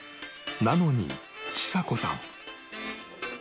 なのにちさ子さん